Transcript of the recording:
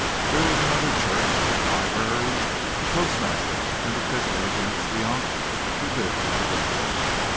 There was another church, a library, the postmaster and the ticket agent at Speonk who lived in the village.